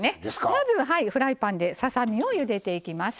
まずフライパンでささ身をゆでていきます。